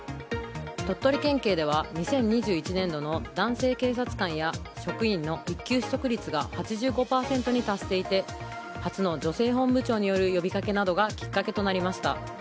鳥取県警では２０２１年度の男性警察官や職員の育休取得率が８５％に達していて初の女性本部長による呼びかけなどがきっかけとなりました。